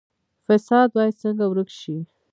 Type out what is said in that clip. فساد باید څنګه ورک شي؟